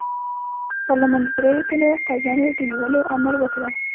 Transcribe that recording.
پارلمان د دریوو تنو قاضیانو د نیولو امر وکړ.